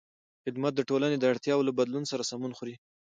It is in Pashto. خدمت د ټولنې د اړتیاوو له بدلون سره سمون خوري.